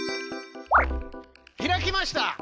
開きました！